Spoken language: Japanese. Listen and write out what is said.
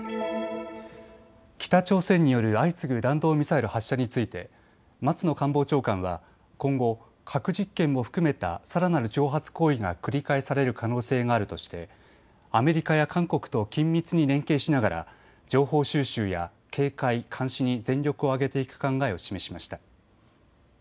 北朝鮮による相次ぐ弾道ミサイル発射について松野官房長官は今後、核実験も含めたさらなる挑発行為が繰り返される可能性があるとしてアメリカや韓国と緊密に連携しながら情報収集や警戒・監視に全力を挙げていく考えを示しました。